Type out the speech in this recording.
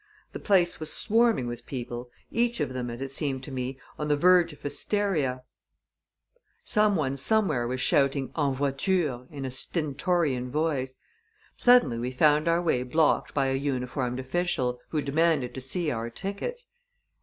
The place was swarming with people, each of them, as it seemed to me, on the verge of hysteria. Someone, somewhere, was shouting "En voiture!" in a stentorian voice. Suddenly, we found our way blocked by a uniformed official, who demanded to see our tickets.